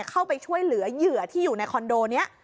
เข้าไปช่วยเหลือเหยื่อที่อยู่ในคอนโดนี้